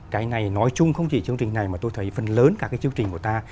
cái này nói chung không chỉ chương trình này mà tôi thấy phần lớn các cái chương trình của ta